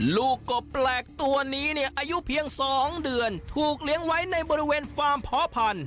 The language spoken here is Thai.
กบแปลกตัวนี้เนี่ยอายุเพียง๒เดือนถูกเลี้ยงไว้ในบริเวณฟาร์มเพาะพันธุ